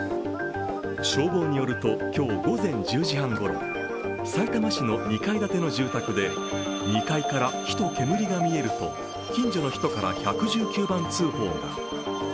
消防によると、今日午前１０時半ごろさいたま市の２階建ての住宅で２階から火と煙が見えると近所の人から１１０番通報が。